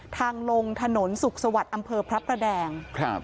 ทางลงถนนสุขสวัสดิ์อำเภอพระประแดงครับ